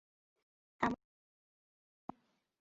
এমন সময়ে দ্বারে কে আঘাত করিল।